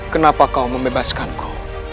kenapa kau membebaskanku